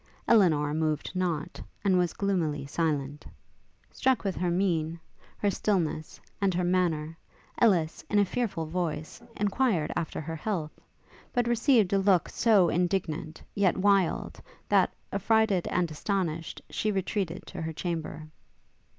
Elinor moved not, and was gloomily silent. Struck with her mien, her stillness, and her manner, Ellis, in a fearful voice, enquired after her health; but received a look so indignant, yet wild, that, affrighted and astonished, she retreated to her chamber.